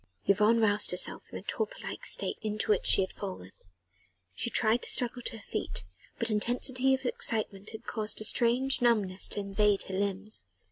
Yvonne roused herself from the torpor like state into which she had fallen. She tried to struggle to her feet, but intensity of excitement had caused a strange numbness to invade her limbs.